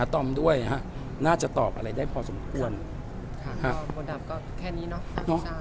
ตอมด้วยนะฮะน่าจะตอบอะไรได้พอสมควรค่ะครับมดดำก็แค่นี้เนอะ